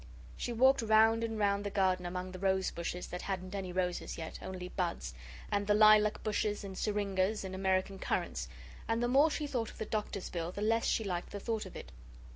She walked round and round the garden among the rose bushes that hadn't any roses yet, only buds, and the lilac bushes and syringas and American currants, and the more she thought of the doctor's bill, the less she liked the thought of it.